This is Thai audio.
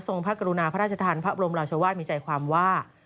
พระกรุณาพระราชทานพระบรมราชวาสมีใจความว่า